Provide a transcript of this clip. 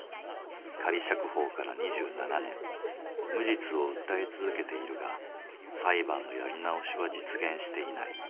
仮釈放から２７年無実を訴え続けているが裁判のやり直しは実現していない。